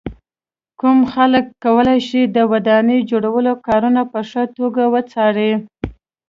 کوم خلک کولای شي د ودانۍ جوړولو کارونه په ښه توګه وڅاري.